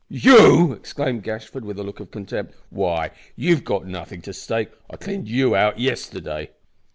"You!" exclaimed Gashford, with a look of contempt; "why, you've got nothing to stake. I cleaned you out yesterday."